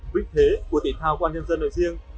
vinh thế của thể thao công an nhân dân nơi riêng